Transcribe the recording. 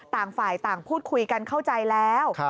ต่างฝ่ายต่างพูดคุยกันเข้าใจแล้ว